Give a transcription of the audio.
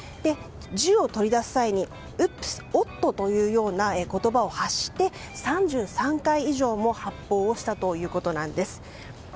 銃をとり出す際にウップス、おっとという言葉を発して３３回以上も発砲したということです。